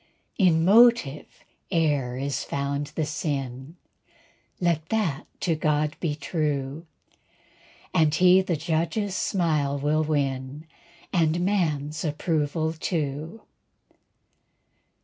In motive e'er is found the sin; Let that to God be true, And he the Judge's smile will win, And man's approval too.